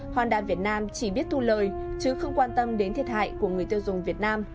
honda việt nam chỉ biết thu lời chứ không quan tâm đến thiệt hại của người tiêu dùng việt nam